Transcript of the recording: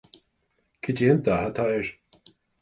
Cad é an dath atá air